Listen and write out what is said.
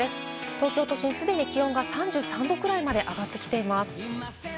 東京都心すでに気温が３３度くらいまで上がってきています。